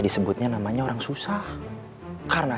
disebutnya namanya orang susah karena